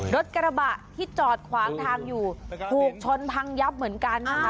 รถกระบะที่จอดขวางทางอยู่ถูกชนพังยับเหมือนกันนะคะ